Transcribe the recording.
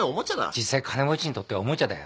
実際金持ちにとってはおもちゃだよ。